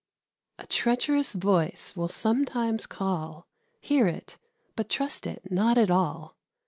A treacherous voice will sometimes call; Hear it, but trust it not at all.